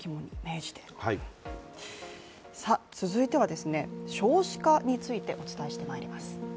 続いては、少子化についてお伝えしてまいります。